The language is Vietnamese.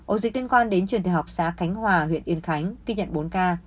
ổ dịch liên quan đến trường đại học xã khánh hòa huyện yên khánh ghi nhận bốn ca